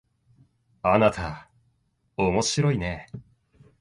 あなたおもしろいね